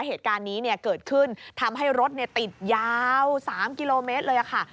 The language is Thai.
เหตุการณ์นี้เกิดขึ้นทำให้รถติดยาว๓กิโลเมตรเลยค่ะ